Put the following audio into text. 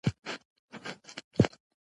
موږ یې راواخلو کنه هغه هم نه راکوي.